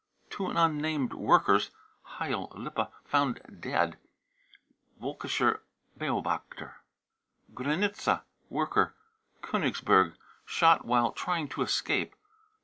two unnamed workers, Heil, Lippe, found dead. (Volkischer Beobachter.) granitza, worker, Konigsberg, shot " while trying to escape."